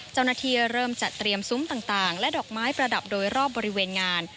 เจ้าหน้าที่เริ่มจัดเตรียมซุ้มต่างและดอกไม้ประดับโดยรอบบริเวณงาน